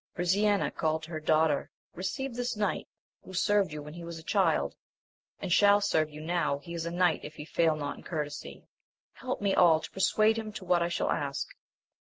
Brisena called to her daughter, Keceive this knight who served you when he was a child, and shall serve you now he is a knight if he fail not in courtesy; help me all to persuade him to what I shall ask.